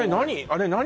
あれ何？